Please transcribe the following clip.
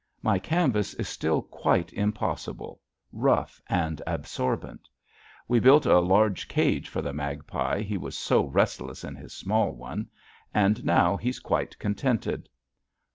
My canvas is still quite impossible rough and absorbent. We built a large cage for the magpie he was so restless in his small one. And now he's quite contented.